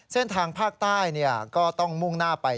เส้นทางภาคใต้ก็ต้องมุ่งหน้าไป